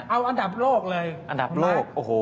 เอาอันดับโลกเลย